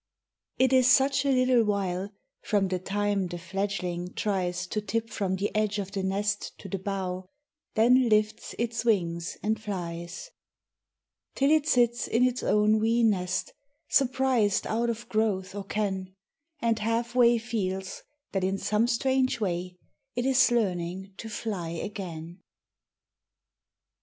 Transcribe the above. IT is such a little while From the time the fledgling tries To tip from the edge of the nest to the bough, Then lifts its wings and flies. Till it sits in its own wee nest, Surprised out of growth or ken, And half way feels that in some strange way It is learning to fly again.